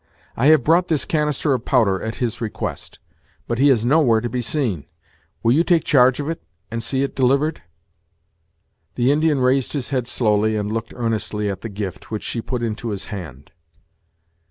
I have brought this canister of powder at his request; but he is nowhere to be seen. Will you take charge of it, and see it delivered?" The Indian raised his head slowly and looked earnestly at the gift, which she put into his hand.